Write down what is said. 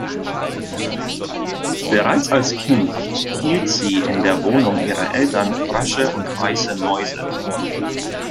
Bereits als Kind hielt sie in der Wohnung ihrer Eltern Frösche und weiße Mäuse.